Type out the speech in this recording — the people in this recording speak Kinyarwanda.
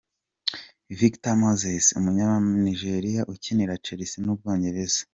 Victor Moses , umunyanijeriya ukinira Chelsea mu Bwongereza.